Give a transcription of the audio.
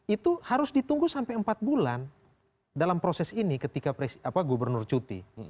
itu harus ditunggu sampai empat bulan dalam proses ini ketika gubernur cuti